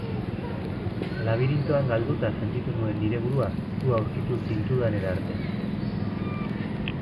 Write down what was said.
Labirintoan galduta sentitu nuen nire burua zu aurkitu zintudanera arte.